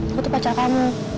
aku tuh pacar kamu